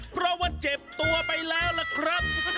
เพราะว่าเจ็บตัวไปแล้วล่ะครับ